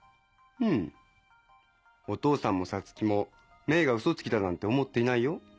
うんお父さんもサツキもメイがウソつきだなんて思っていないよ。